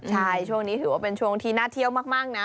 ใช่ช่วงนี้ถือว่าเป็นช่วงที่น่าเที่ยวมากนะ